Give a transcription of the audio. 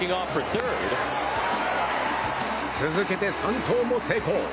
続けて、３盗も成功。